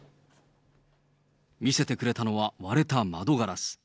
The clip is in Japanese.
見せてくれたのは割れた窓ガラス。